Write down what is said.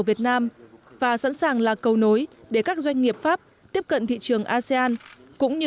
việt nam và sẵn sàng là cầu nối để các doanh nghiệp pháp tiếp cận thị trường asean cũng như